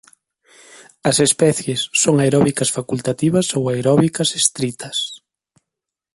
As especies son aeróbicas facultativas ou aeróbicas estritas.